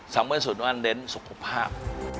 สำหรับส่วนตัวอันเน้นสุขภาพ